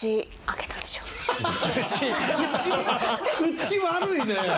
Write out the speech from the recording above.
口悪いね！